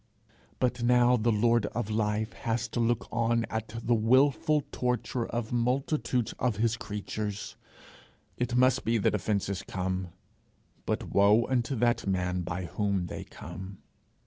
But now the lord of life has to look on at the wilful torture of multitudes of his creatures. It must be that offences come, but woe unto that man by whom they come!